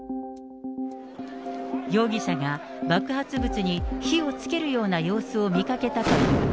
容疑者が爆発物に火をつけるような様子を見かけたという。